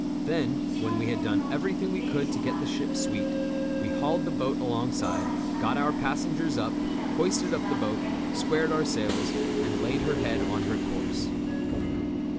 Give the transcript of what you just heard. Then, when we had done everything we could to get the ship sweet, we hauled the boat alongside, got our passengers up, hoisted up the boat, squared our sails, and laid her head on her course.